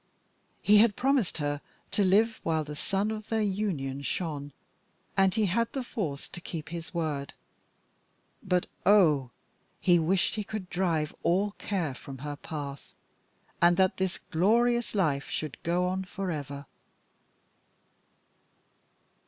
He had promised her to live while the sun of their union shone, and he had the force to keep his word. But oh! he wished he could drive all care from her path, and that this glorious life should go on for ever.